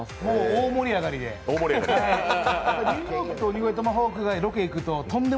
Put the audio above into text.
大盛り上がりで。